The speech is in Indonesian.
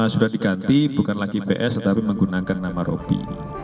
sudah diganti bukan lagi ps tetapi menggunakan nama robi